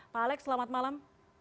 pak alex selamat malam